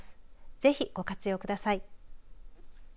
ぜひ、ご活用ください。